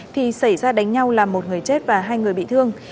thì xảy ra đánh nhau làm một người chết và hai người bị thương